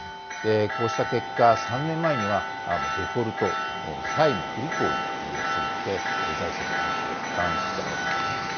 こうした結果、３年前にはデフォルト・債務不履行に陥って、財政が事実上破綻したわけですね。